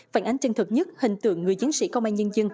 phản ánh chân thực nhất hình tượng người chiến sĩ công an nhân dân